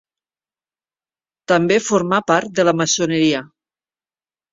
També formà part de la maçoneria.